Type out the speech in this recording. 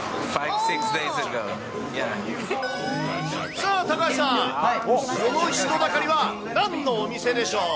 さあ、高橋さん、この人だかりはなんのお店でしょうか？